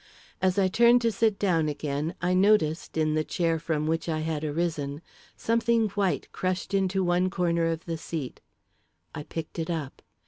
As I turned to sit down again, I noticed, in the chair from which I had arisen, something white crushed into one corner of the seat. I picked it up.